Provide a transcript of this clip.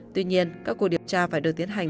tuy nhiên các cuộc điều tra phải được tiến hành